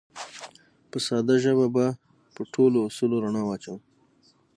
په ساده ژبه به په ټولو اصولو رڼا واچوو